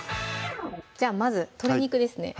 じゃあまず鶏肉ですね